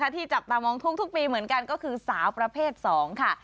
ที่จับตามองทุกปีเหมือนกันก็คือสาวประเภท๒ค่ะ